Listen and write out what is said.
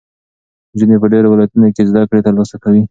نجونې په ډېرو ولایتونو کې زده کړې ترلاسه کوي.